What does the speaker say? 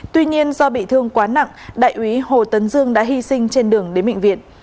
tuy nhiên do bị thương quá nặng đại úy hồ tấn dương đã hy sinh trên đường đến bệnh viện